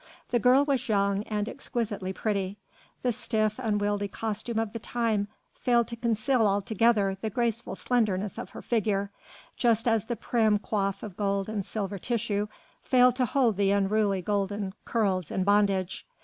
The girl was young and exquisitely pretty; the stiff, unwieldy costume of the time failed to conceal altogether the graceful slenderness of her figure, just as the prim coif of gold and silver tissue failed to hold the unruly golden curls in bondage.